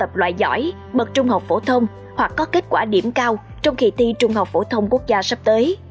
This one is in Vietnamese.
học tập loại giỏi mật trung học phổ thông hoặc có kết quả điểm cao trong kỳ thi trung học phổ thông quốc gia sắp tới